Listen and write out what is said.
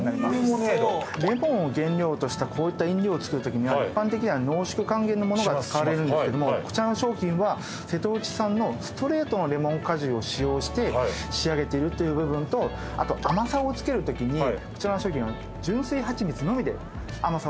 レモンを原料としたこういった飲料を作るときには一般的には濃縮還元のものが使われるんですけどもこちらの商品は瀬戸内産のストレートのレモン果汁を使用して仕上げているという部分とあと甘さをつけるときにこちらの商品純粋蜂蜜のみで甘さをつけてます。